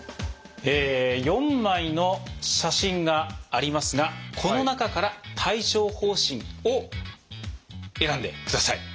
４枚の写真がありますがこの中から帯状疱疹を選んでください。